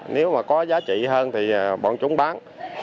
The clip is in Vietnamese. nếu có giá trị hơn thì bọn chúng bán